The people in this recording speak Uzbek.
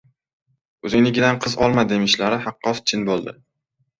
O‘zingnikidan qiz olma, demishlari haqqost chin bo‘ldi.